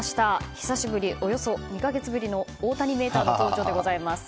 久しぶり、およそ２か月ぶりの大谷メーター登場です。